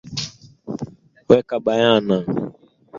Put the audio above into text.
weka bayana virusi vilivyo sababisha ugonjwa huo